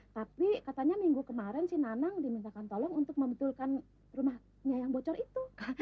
tapi katanya minggu kemarin si nanang dimintakan tolong untuk membetulkan rumahnya yang bocor itu